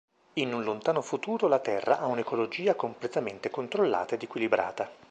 In un lontano futuro la Terra ha un'ecologia completamente controllata ed equilibrata.